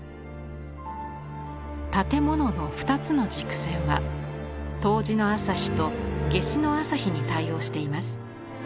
建物の２つの軸線は冬至の朝日と夏至の朝日に対応しています。